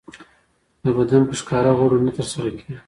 د بدن په ښکاره غړو نه ترسره کېږي.